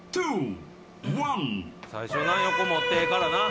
最初横持ってええからな。